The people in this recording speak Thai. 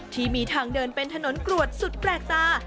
ที่มีทางเดินเป็นถนนกรวดสุดแปลกตา